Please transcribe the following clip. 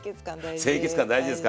清潔感大事です。